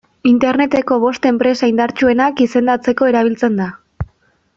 Interneteko bost enpresa indartsuenak izendatzeko erabiltzen da.